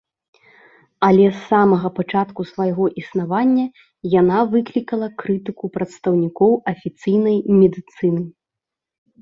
Але з самага пачатку свайго існавання яна выклікала крытыку прадстаўнікоў афіцыйнай медыцыны.